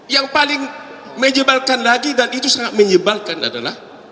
yang paling menyebalkan lagi dan itu sangat menyebalkan adalah